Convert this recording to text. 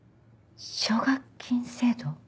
奨学金制度。